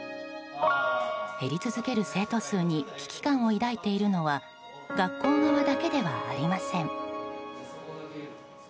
減り続ける生徒数に危機感を抱いているのは学校側だけではありません。